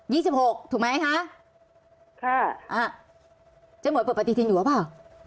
ี่สิบหกถูกไหมคะค่ะอ่าเจ๊หวยเปิดปฏิทินอยู่หรือเปล่า